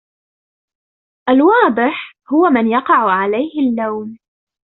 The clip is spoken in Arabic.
الواضح ، هو من يقع عليه اللوم.